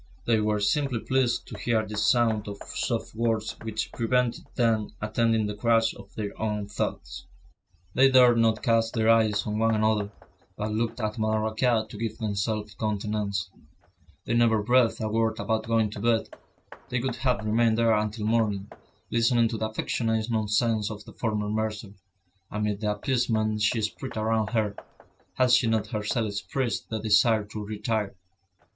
They were simply pleased to hear this sound of soft words which prevented them attending the crash of their own thoughts. They dared not cast their eyes on one another, but looked at Madame Raquin to give themselves countenances. They never breathed a word about going to bed; they would have remained there until morning, listening to the affectionate nonsense of the former mercer, amid the appeasement she spread around her, had she not herself expressed the desire to retire.